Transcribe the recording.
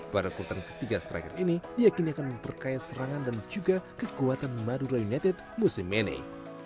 pada kurutan ketiga striker ini diakini akan memperkaya serangan dan juga kekuatan madura united musim ini